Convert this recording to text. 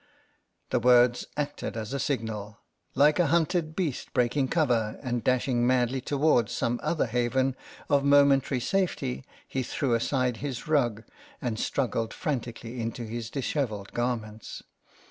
The words acted as a signal. Like a hunted beast breaking cover and dashing madly to wards some other haven of momentary safety he threw aside his rug, and struggled frantic ally into his dishevelled garments.